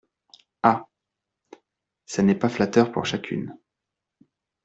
Ah ! ça n’est pas flatteur pour chacune.